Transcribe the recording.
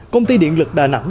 công ty điện lực đà nẵng